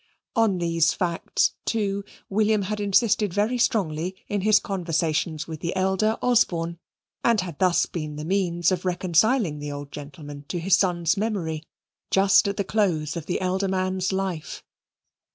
On these facts, too, William had insisted very strongly in his conversations with the elder Osborne, and had thus been the means of reconciling the old gentleman to his son's memory, just at the close of the elder man's life.